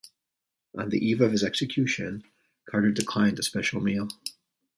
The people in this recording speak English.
On the eve of his execution, Carter declined a special meal.